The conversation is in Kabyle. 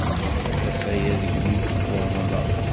Aṭas aya degmi t-buḍneɣ